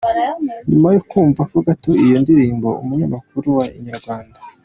Nyuma yo kumvaho gato iyo ndirimbo umunyamakuru wa Inyarwanda.